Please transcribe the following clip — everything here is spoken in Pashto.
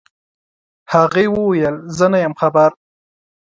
هغې وويل زه نه يم خبر.